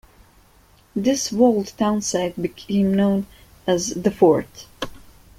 This walled townsite became known as "the Fort".